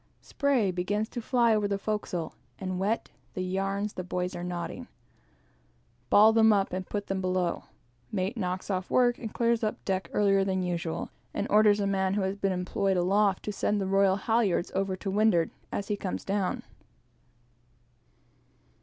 Spray begins to fly over the forecastle, and wets the yarns the boys are knotting; ball them up and put them below. Mate knocks off work and clears up decks earlier than usual, and orders a man who has been employed aloft to send the royal halyards over to windward, as he comes down.